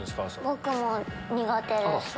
僕も苦手です。